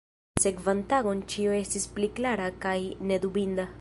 La sekvan tagon ĉio estis pli klara kaj nedubinda.